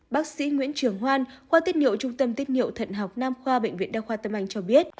bác sĩ nguyễn trường hoan khoa tiết nhiệu trung tâm tiết niệu thận học nam khoa bệnh viện đa khoa tâm anh cho biết